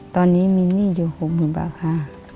ตอนนี้มีหนี้อยู่หกหมื่นบาทค่ะ